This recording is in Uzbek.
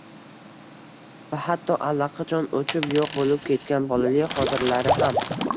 va hatto allaqachon o‘chib yo‘q bo‘lib ketgan bolalik xotiralari ham